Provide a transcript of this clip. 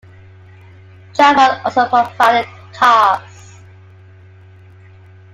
Chevron also provided cars.